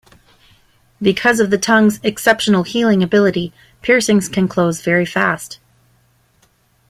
Because of the tongue's exceptional healing ability, piercings can close very fast.